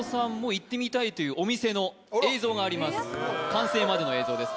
やった完成までの映像です